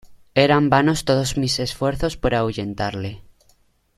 eran vanos todos mis esfuerzos por ahuyentarle: